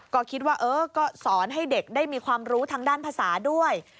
ก็คิดว่าเออก็สอนให้เด็กได้มีความรู้ทางด้านภาษาด้วย